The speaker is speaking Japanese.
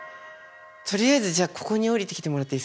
とりあえずじゃあここに降りてきてもらっていいっすか。